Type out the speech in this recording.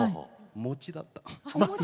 餅だった。